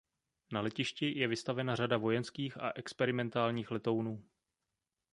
Na letišti je vystavena řada vojenských a experimentálních letounů.